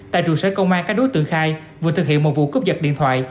tại trụ sở công an các đối tượng khai vừa thực hiện một vụ cướp giật điện thoại